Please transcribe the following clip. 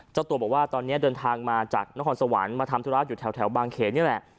เจ้าตัวบอกว่าตอนนี้เดินทางมาจากนครสวรรค์มาทำธุระอยู่แถวบางเขนนี่แหละ